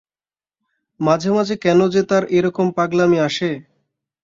মাঝে মাঝে কেন যে তার এরকম পাগলামি আসে।